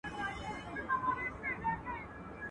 چي رقیب ستا په کوڅه کي زما سایه وهل په توره.